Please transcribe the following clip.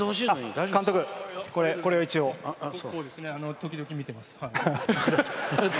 時々、見てます。